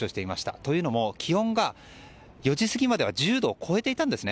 というのも気温が４時過ぎまでは１０度を超えていたんですね。